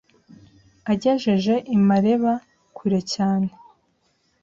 Agejeje i Mareba kure cyane